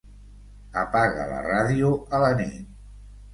Apaga la ràdio a la nit.